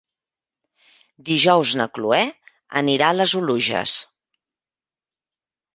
Dijous na Cloè anirà a les Oluges.